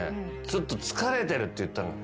「ちょっと疲れてる」って言ったの。